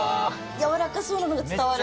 柔らかそうなのが伝わる。